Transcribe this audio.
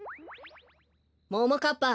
ももかっぱ